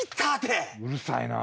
うるさいな。